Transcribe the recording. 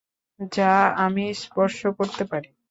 যা আমি স্পর্শ করতে পারি।